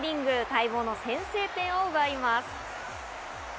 待望の先制点を奪います。